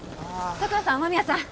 佐倉さん雨宮さん。